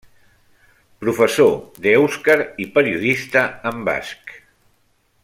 Professor d'èuscar i periodista en basc.